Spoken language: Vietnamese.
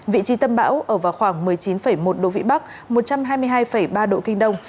vị trí tâm bão ở vào khoảng một mươi chín một độ vĩ bắc một trăm hai mươi hai ba độ kinh đông